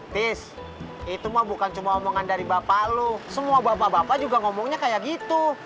tis itu mah bukan cuma omongan dari bapak lu semua bapak bapak juga ngomongnya kayak gitu